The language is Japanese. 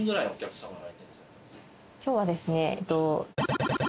今日はですね。